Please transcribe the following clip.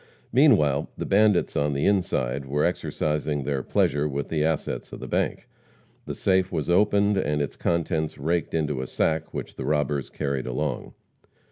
Meanwhile, the bandits on the inside were exercising their pleasure with the assets of the bank. The safe was opened and its contents raked into a sack which the robbers carried along.